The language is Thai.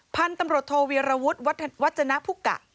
พันธุ์ตำรวจโทวีรวุฒิวัฒนภุกะ